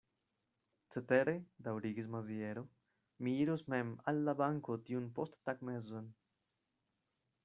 Cetere, daŭrigis Maziero, mi iros mem al la banko tiun posttagmezon.